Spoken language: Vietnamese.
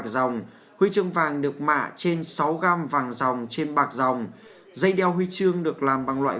xin kính chào và hẹn gặp lại